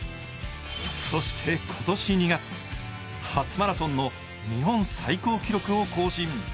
そして、今年２月初マラソンの日本最高記録を更新。